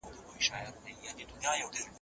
روښانه اصطلاح مرسته کوي.